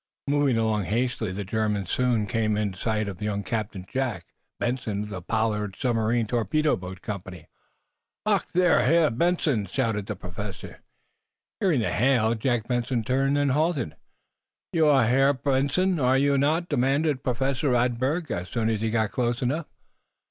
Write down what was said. Moving along hastily, the German soon came in sight of young Captain Jack Benson, of the Pollard Submarine Torpedo Boat Company. "Ach, there! Herr Benson!" shouted the Professor. Hearing the hail, Jack Benson turned, then halted. "You are Herr Benson, are you not?" demanded Professor Radberg, as soon as he got close enough.